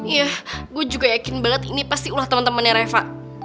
iya gue juga yakin banget ini pasti ulah teman temannya reva